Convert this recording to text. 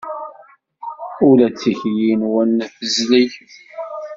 Ula d tikli-nwen tezleg.